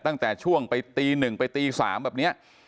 ตั้งแต่ช่วงไปตี๑ไปตี๓แบบนี้